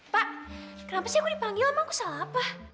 pak kenapa sih aku dipanggil sama aku salah apa